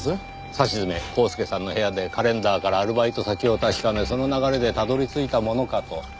さしずめコースケさんの部屋でカレンダーからアルバイト先を確かめその流れでたどり着いたものかと。